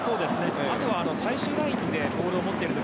あとは最終ラインでボールを持っている時